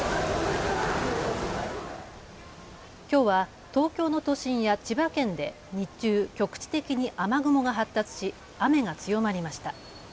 きょうは東京の都心や千葉県で日中、局地的に雨雲が発達し雨が強まりました。